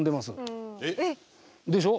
えっ？でしょう。